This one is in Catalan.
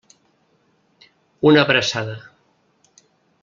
Una abraçada.